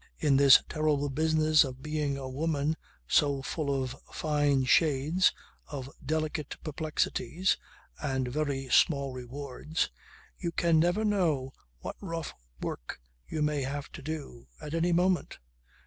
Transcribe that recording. . In this terrible business of being a woman so full of fine shades, of delicate perplexities (and very small rewards) you can never know what rough work you may have to do, at any moment.